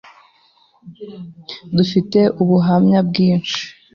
dufite ubuhamya bwinshi